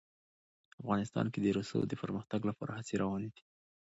افغانستان کې د رسوب د پرمختګ لپاره هڅې روانې دي.